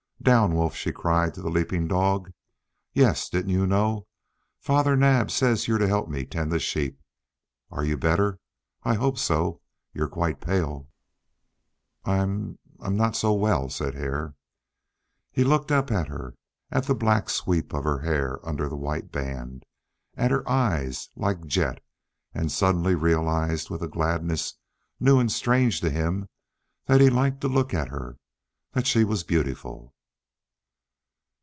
"Down, Wolf!" she cried to the leaping dog. "Yes. Didn't you know? Father Naab says you're to help me tend the sheep. Are you better? I hope so You're quite pale." "I I'm not so well," said Hare. He looked up at her, at the black sweep of her hair under the white band, at her eyes, like jet; and suddenly realized, with a gladness new and strange to him, that he liked to look at her, that she was beautiful.